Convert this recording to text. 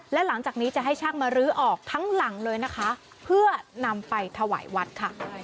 และหลังจากนี้จะให้ช่างมาลื้อออกทั้งหลังเลยนะคะเพื่อนำไปถวายวัดค่ะ